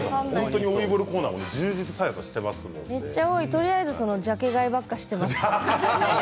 とりあえずジャケ買いばっかりしています。